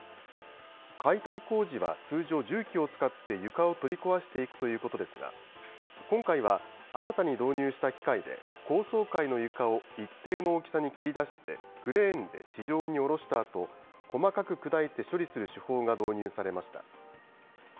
解体工事は通常、重機を使って床を取り壊していくということですが、今回は新たに導入した機械で、高層階の床を一定の大きさに切り出して、クレーンで地上に降ろしたあと、細かく砕いて処理する手法が導入されました。